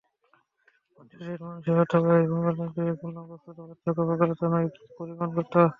মানুষের সহিত মানুষের অথবা এই ব্রহ্মাণ্ডের যে-কোন বস্তুর পার্থক্য প্রকারগত নয়, পরিমাণগত।